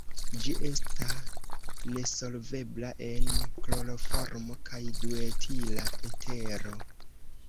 Ĝi esta nesolvebla en kloroformo kaj duetila etero.